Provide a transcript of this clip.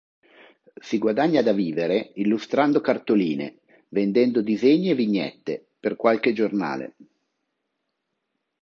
Si guadagna da vivere illustrando cartoline, vendendo disegni e vignette per qualche giornale.